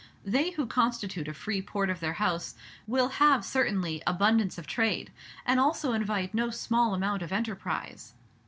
They who constitute a free port of their house will have certainly abundance of trade, and also invite no small amount of enterprise.